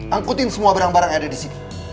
angkutin semua barang barang yang ada disini